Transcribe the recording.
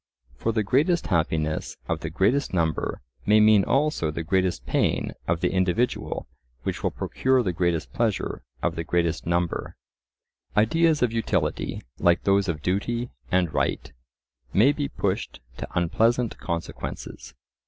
For the greatest happiness of the greatest number may mean also the greatest pain of the individual which will procure the greatest pleasure of the greatest number. Ideas of utility, like those of duty and right, may be pushed to unpleasant consequences.